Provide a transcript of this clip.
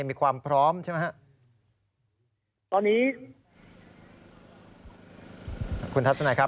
มีความพร้อมใช่ไหมครับ